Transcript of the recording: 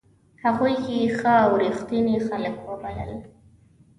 هغوی یې ښه او ریښتوني خلک وبلل.